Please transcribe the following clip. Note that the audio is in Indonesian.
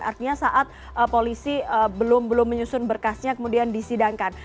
artinya saat polisi belum menyusun berkasnya kemudian disidangkan